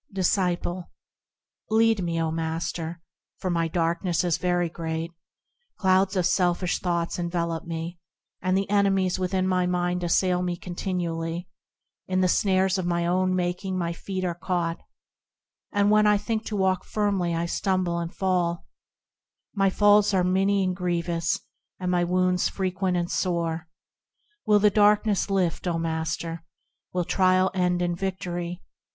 Disciple. Lead me, O Master ! for my darkness is very great ; Clouds of selfish thoughts envelop me, And the enemies within my mind assail me continually ; In the snares of my own making my feet are caught, And when I think to walk firmly I stumble and fall ; Yea, my falls are many and grievous, and my wounds frequent and sore. Will the darkness lift, O Master ? Will trial end in victory